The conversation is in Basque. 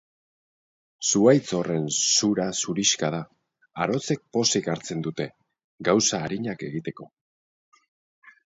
Zuhaitz horren zura zurixka da; arotzek pozik hartzen dute, gauza arinak egiteko.